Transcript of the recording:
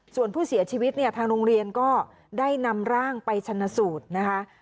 ส่วนผู้เสียชีวิตเนี่ยทางโรงเรียนก็ได้นำร่างไปชนะสูตรนะคะ